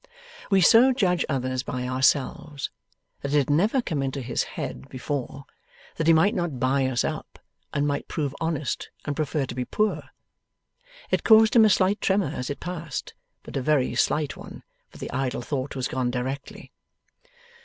We so judge others by ourselves, that it had never come into his head before, that he might not buy us up, and might prove honest, and prefer to be poor. It caused him a slight tremor as it passed; but a very slight one, for the idle thought was gone directly.